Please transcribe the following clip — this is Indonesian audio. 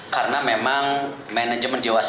karena memang manajemen jiwasraya